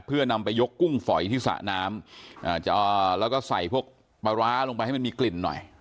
เพื่อนำไปยกกุ้งฝอยที่สระน้ำแล้วก็ใส่พวกปลาร้าลงไปให้มันมีกลิ่นหน่อย